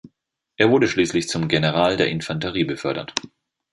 Er wurde schließlich zum General der Infanterie befördert.